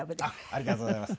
ありがとうございます。